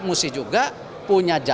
mesti juga punya jadwal